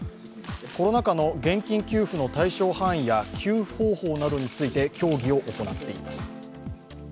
コロナ禍の現金給付の対象範囲や給付方法などについて協議を行っています。